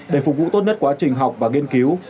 để phục vụ tốt nhất quá trình học và nghiên cứu